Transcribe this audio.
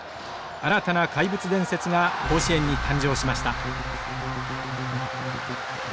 新たな怪物伝説が甲子園に誕生しました。